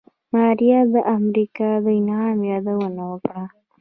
ماريا د امريکا د انعام يادونه وکړه.